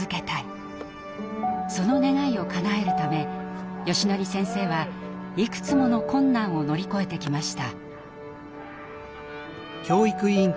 その願いをかなえるためよしのり先生はいくつもの困難を乗り越えてきました。